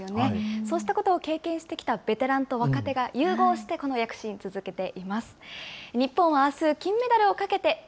そうしたことを経験してきたベテランと若手が融合して、この躍進を続けています。